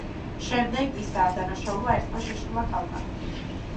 შემდეგ ის დაადანაშაულა ერთმა შეშლილმა ქალმა.